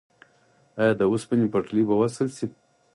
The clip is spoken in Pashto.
آیا د اوسپنې پټلۍ به وصل شي؟